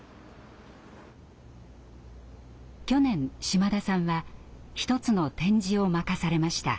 去年島田さんは一つの展示を任されました。